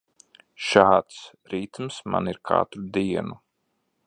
Šāds ritms man ir katru dienu.